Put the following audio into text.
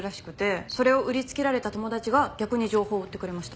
それを売りつけられた友達が逆に情報を売ってくれました。